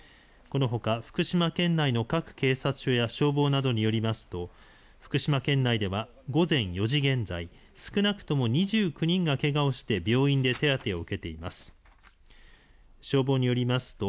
このほか、福島県内の各警察署や消防などによりますと福島県内では午前４時現在少なくとも２９人がけがをして病院で手当てを受けています。